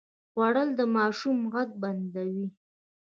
خوړل د ماشوم غږ بندوي